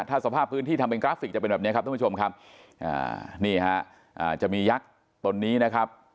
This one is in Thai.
ถ้าสภาพพื้นที่ทำเป็นกราฟิกจะเป็นแบบนี้ครับท่านผู้ชมครับนี่ฮะจะมียักษ์ตนนี้นะครับ